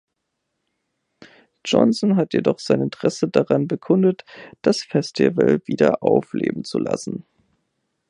Johnson hat jedoch sein Interesse daran bekundet, das Festival wieder aufleben zu lassen.